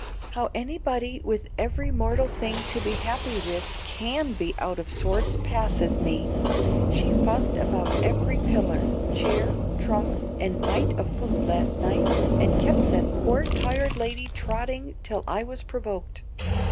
"How anybody with every mortal thing to be happy with CAN be out of sorts passes me. She fussed about every piller, chair, trunk, and mite of food last night, and kept that poor tired lady trotting till I was provoked.